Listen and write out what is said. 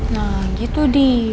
nah gitu dih